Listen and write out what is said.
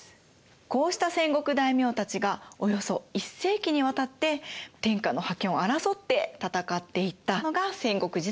こうした戦国大名たちがおよそ１世紀に渡って天下の覇権を争って戦っていったのが戦国時代なんです。